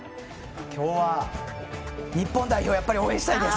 今日は日本代表を応援したいです。